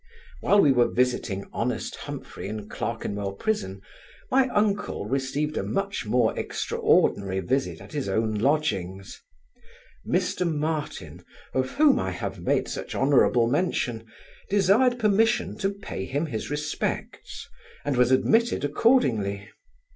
While we were visiting honest Humphry in Clerkenwell prison, my uncle received a much more extraordinary visit at his own lodgings. Mr Martin, of whom I have made such honourable mention, desired permission to pay him his respects, and was admitted accordingly.